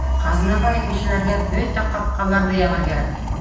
— Ҡаҙнабаев ишеләргә бөтә ҡапҡаларҙы ябырға кәрәк